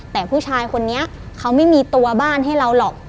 แต่ผู้ชายคนนี้เขาไม่มีตัวบ้านให้เราหรอก